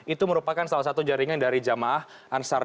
itu merupakan salah satu jaringan dari jamaah ansar